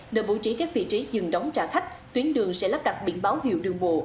nơi bố trí các vị trí dừng đóng trả khách tuyến đường sẽ lắp đặt biển báo hiệu đường bộ